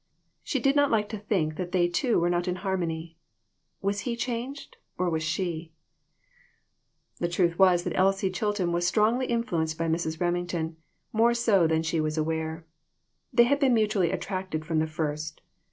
She did not like to think that they two were not in harmony. Was he changed, or was she ? The truth was that Elsie Chilton was strongly influenced by Mrs. Remington, more so than she was aware. They had been mutually attracted from the first.